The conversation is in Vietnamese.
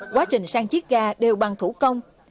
quá trình sang chết ga đều bằng thủ công